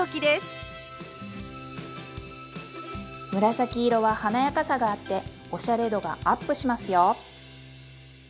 紫色は華やかさがあっておしゃれ度がアップしますよ。